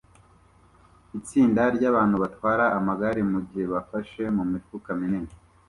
Itsinda ryabantu batwara amagare mugihe bafashe mumifuka minini